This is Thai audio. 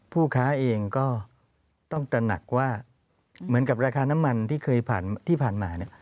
ผู้ค้าเองก็ต้องตระหนักว่าเหมือนกับราคาน้ำมันที่เคยผ่านที่ผ่านมาเนี่ย